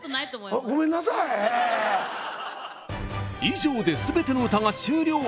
以上で全ての歌が終了。